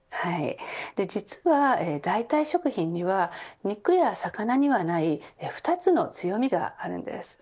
実は、代替食品には肉や魚にはない２つの強みがあるんです。